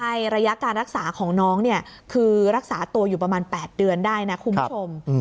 ใช่ระยะการรักษาของน้องเนี่ยคือรักษาตัวอยู่ประมาณ๘เดือนได้นะคุณผู้ชม